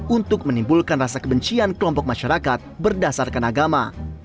untuk menimbulkan rasa kebencian kelompok masyarakat berdasarkan agama